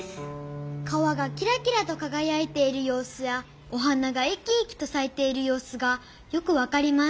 「川がきらきらとかがやいているようすやお花がいきいきとさいているようすがよくわかります」